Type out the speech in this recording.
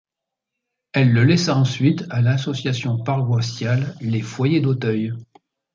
Elle le laissa ensuite à l'association paroissiale les Foyers d'Auteuil.